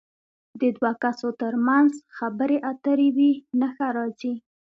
د دوو کسو تر منځ خبرې اترې وي نښه راځي.